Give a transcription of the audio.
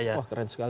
wah keren sekali